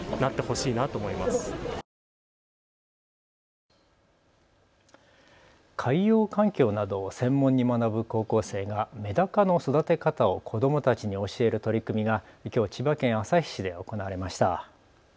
海洋環境などを専門に学ぶ高校生がメダカの育て方を子どもたちに教える取り組みがきょう千葉県旭市で行われました。